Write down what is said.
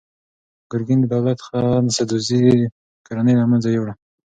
ګورګین د دولت خان سدوزي کورنۍ له منځه یووړه.